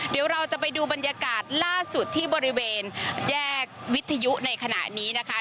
เดี๋ยวเราจะไปดูบรรยากาศล่าสุดที่บริเวณแยกวิทยุในขณะนี้นะคะ